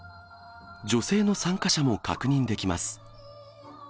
女性の参加者も確認できます。